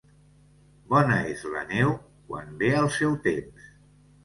Bona és la neu quan ve al seu temps.